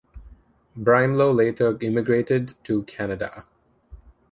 Brimelow later immigrated to Canada.